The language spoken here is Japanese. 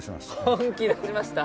本気出しました。